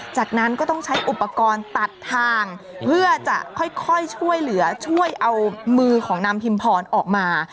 จากนั้นก็ต้องใช้อุปกรณ์ตัดทางเพื่อจะค่อยช่วยเหลือช่วยเอามือของนางพิมพรออกมา